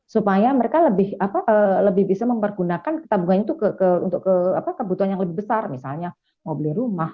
supaya mereka lebih bisa mempergunakan tabungan itu untuk kebutuhan yang lebih besar misalnya mau beli rumah